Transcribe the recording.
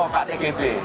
oh kak tgd